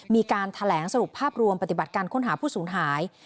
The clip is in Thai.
มีการแถลงสรุปภาพรวมปฏิบัติการค้นหาผู้สูญหาย